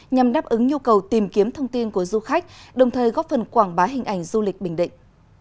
nhằm đáp ứng nhu cầu tìm kiếm thông tin của du khách đồng thời góp phần quảng bá hình ảnh du lịch bình định